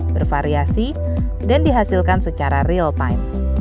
bervariasi dan dihasilkan secara real time